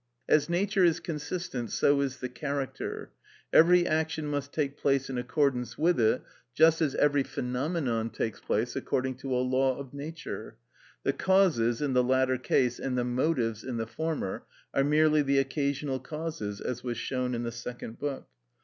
As Nature is consistent, so is the character; every action must take place in accordance with it, just as every phenomenon takes place according to a law of Nature: the causes in the latter case and the motives in the former are merely the occasional causes, as was shown in the Second Book.